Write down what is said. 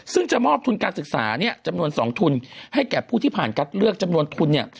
ซึ่งจะมอบทุนการศึกษาเนี่ยจำนวน๒ทุนให้แก่ผู้ที่ผ่านคัดเลือกจำนวนทุนเนี่ย